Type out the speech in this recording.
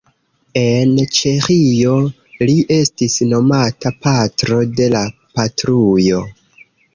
En Ĉeĥio li estis nomata "Patro de la Patrujo".